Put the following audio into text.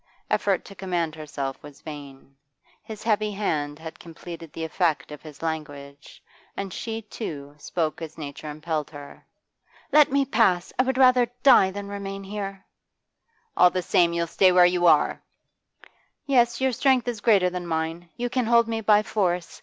Effort to command herself was vain; his heavy hand had completed the effect of his language, and she, too, spoke as nature impelled her. 'Let me pass! I would rather die than remain here!' 'All the same, you'll stay where you are!' 'Yes, your strength is greater than mine. You can hold me by force.